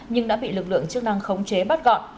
nhưng đã bị lực lượng chức năng khống chế bắt gọn